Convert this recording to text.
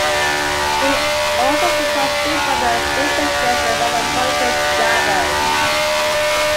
He also supports Big Brothers Big Sisters of Metropolitan Chicago.